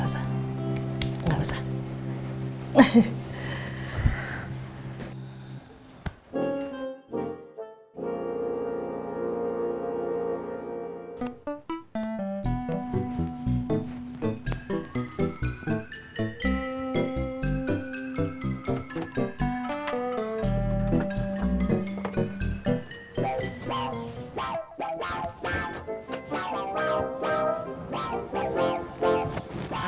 ayolah mamaagi temep aja